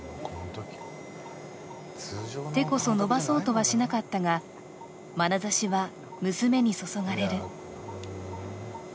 手こそ伸ばそうとはしなかったが、まなざしは娘に注がれる。